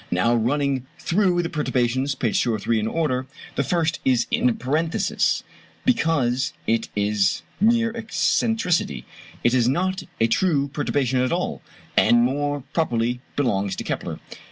Now running through the perturbations (p. 203) in order: The first is in parenthesis, because it is mere excentricity. It is not a true perturbation at all, and more properly belongs to Kepler.